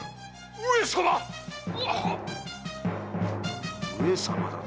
上様だと？